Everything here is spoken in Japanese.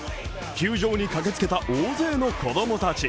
球場に駆けつけた大勢の子供たち。